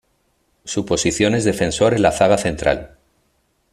Su posición es defensor en la zaga central.